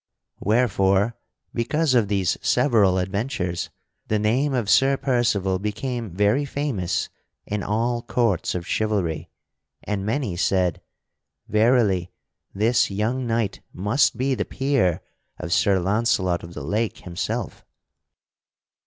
Wherefore, because of these several adventures, the name of Sir Percival became very famous in all courts of chivalry, and many said: "Verily, this young knight must be the peer of Sir Launcelot of the Lake himself."